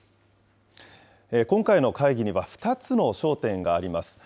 今回の会議には、２つの焦点があります。